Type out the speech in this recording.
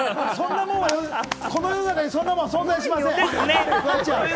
この世の中にそんなもん存在しません！